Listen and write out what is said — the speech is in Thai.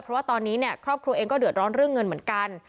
เพราะว่าตอนนี้เนี่ยครอบครัวเองก็เดือดร้อนเรื่องเงินเหมือนกัน